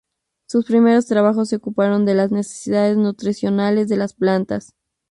Sus primeros trabajos se ocuparon de las necesidades nutricionales de las plantas.